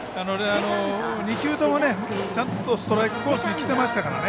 ２球ともちゃんとストライクコースにきていましたからね。